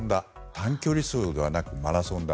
短距離走ではなくマラソンだ。